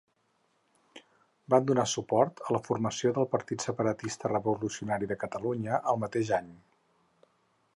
Van donar suport a la formació del Partit Separatista Revolucionari de Catalunya el mateix any.